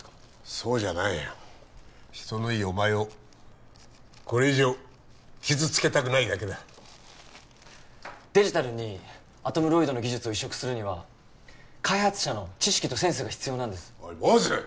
そうじゃないよ人のいいお前をこれ以上傷つけたくないだけだデジタルにアトムロイドの技術を移植するには開発者の知識とセンスが必要なんですおい坊主！